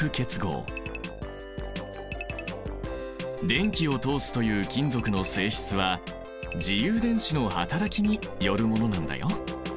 電気を通すという金属の性質は自由電子の働きによるものなんだよ。